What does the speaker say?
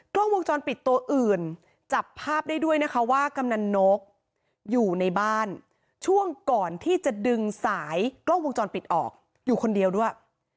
กล้องวงจรปิดตัวอื่นจับภาพได้ด้วยนะคะว่ากำนันนกอยู่ในบ้านช่วงก่อนที่จะดึงสายกล้องวงจรปิดออกอยู่คนเดียวด้วย